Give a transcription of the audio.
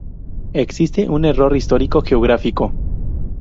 Existe un error histórico-geográfico.